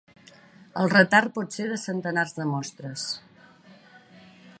El retard pot ser de centenars de mostres.